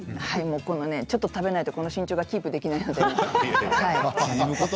ちょっと食べないとこの身長がキープできないので。